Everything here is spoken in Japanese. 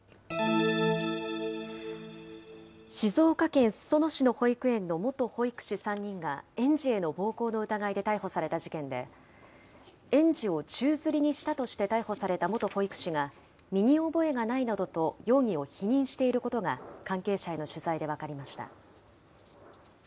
静岡県裾野市の保育園の元保育士３人が、園児への暴行の疑いで逮捕された事件で、園児を宙づりにしたとして逮捕された元保育士が、身に覚えがないなどと容疑を否認していることが、関係者への取材で分かりました。